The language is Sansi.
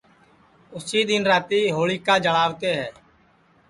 اُسی دؔن رات ہوݪیکا جݪاوتے ہے